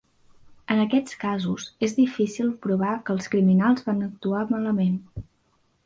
En aquest casos, és difícil provar que els criminals van actuar malament.